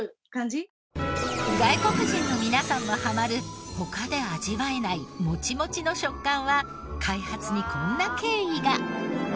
外国人の皆さんもハマる他で味わえないモチモチの食感は開発にこんな経緯が。